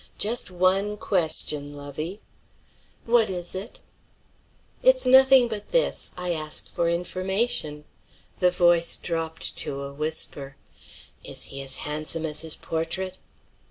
Just one question, lovie." "W'at it is?" "It's nothing but this; I ask for information." The voice dropped to a whisper, "Is he as handsome as his portrait?"